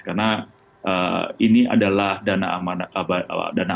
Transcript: karena ini adalah dana amanah